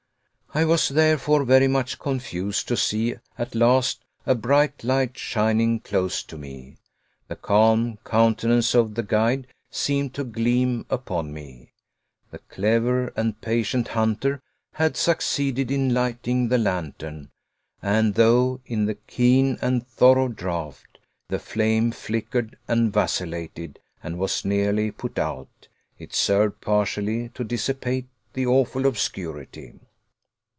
I was therefore very much confused to see at last a bright light shining close to me. The calm countenance of the guide seemed to gleam upon me. The clever and patient hunter had succeeded in lighting the lantern; and though, in the keen and thorough draft, the flame flickered and vacillated and was nearly put out, it served partially to dissipate the awful obscurity.